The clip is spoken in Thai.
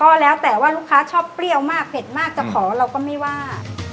ก็แล้วแต่ว่าลูกค้าชอบเปรี้ยวมากเผ็ดมากจะขอเราก็ไม่ว่า